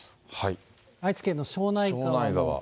愛知県の庄内川も。